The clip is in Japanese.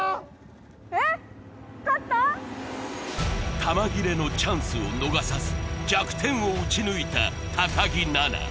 えっ弾切れのチャンスを逃さず弱点を撃ち抜いた木菜那